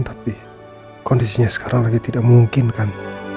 tapi kondisinya sekarang lagi tidak mungkin kan